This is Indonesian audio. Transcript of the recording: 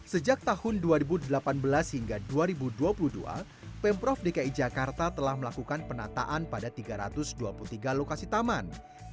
sejak tahun dua ribu delapan belas hingga dua ribu dua puluh dua pemprov dki jakarta telah melakukan penataan pada tiga ratus dua puluh tiga lokasi taman